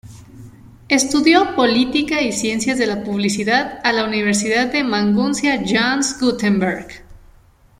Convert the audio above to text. Estudió política y ciencias de la publicidad a la Universidad de Maguncia Johannes Gutenberg.